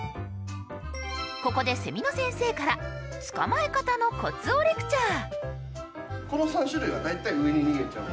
ここでセミの先生から捕まえ方のコツをレクチャー。